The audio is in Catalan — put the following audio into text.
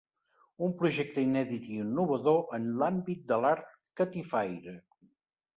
“Un projecte inèdit i innovador en l’àmbit de l’art catifaire”.